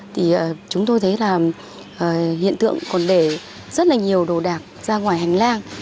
thì chúng tôi thấy là hiện tượng còn để rất là nhiều đồ đạc ra ngoài hành lang